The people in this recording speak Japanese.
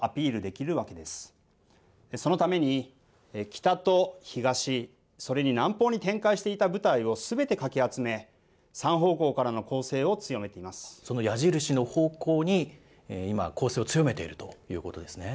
北と東、それに南方に展開していた部隊をすべてかき集め、その矢印の方向に今、攻勢を強めているということですね。